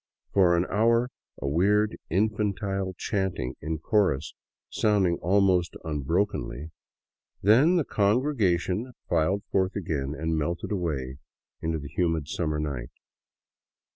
For an hour a weird infantile chanting in chorus sounded almost unbrokenly, then the congregation filed forth again and melted away into the humid summer night.